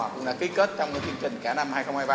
cũng đã ký kết trong chương trình cả năm hai nghìn hai mươi ba